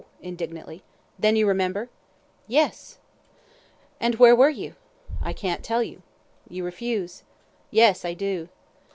indignantly "Then you remember?" "Yes." "And where were you?" "I can't tell you." "You refuse." "Yes, I do."